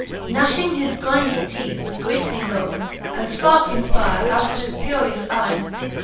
XXVI. Gnaihing his grinded teeth with griefly looke. And fparkling fire out of his furious eyne.